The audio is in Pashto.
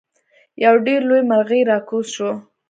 یو ډیر لوی مرغۍ راکوز شو.